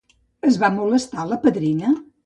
Es va molestar la padrina?